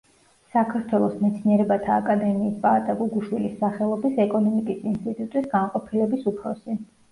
საქართველოს მეცნიერებათა აკადემიის პაატა გუგუშვილის სახელობის ეკონომიკის ინსტიტუტის განყოფილების უფროსი.